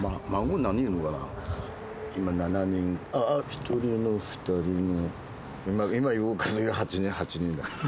１人の２人の。